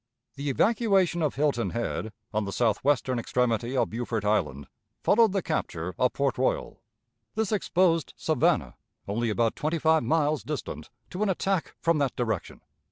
The evacuation of Hilton Head, on the southwestern extremity of Beaufort Island, followed the capture of Port Royal. This exposed Savannah, only about twenty five miles distant, to an attack from that direction.